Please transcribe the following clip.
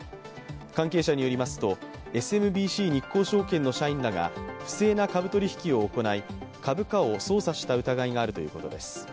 関係者によりますとＳＭＢＣ日興証券の社員らが不正な株取引を行い、株価を操作した疑いがあるということです。